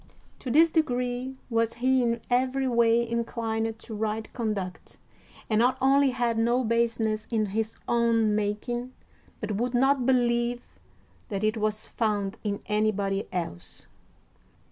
To this degree was he in every way inclined to right conduct, and not only had no baseness in his own making, but would not believe that it was found in anybody else.